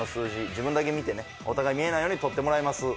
自分だけ見てねお互い見えないように取ってもらいます